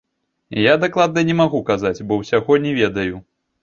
Я дакладна не магу казаць, бо ўсяго не ведаю.